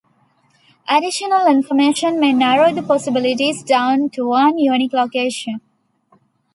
Additional information may narrow the possibilities down to one unique location.